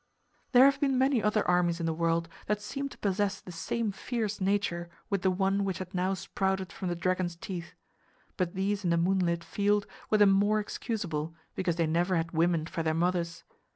There have been many other armies in the world that seemed to possess the same fierce nature with the one which had now sprouted from the dragon's teeth; but these in the moonlit field were the more excusable, because they never had women for their mothers.